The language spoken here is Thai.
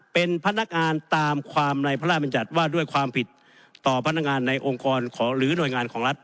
เป็นพนักงานตามความในพระราชบัญญัติว่าด้วยความผิดต่อพนักงานในองค์กรหรือหน่วยงานของรัฐ